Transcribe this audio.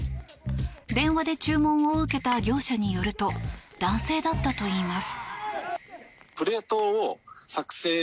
電話で注文を受けた業者によると男性だったといいます。